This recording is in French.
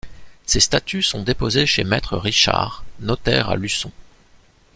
Ses statuts sont déposés chez Maître Richard, notaire à Luçon.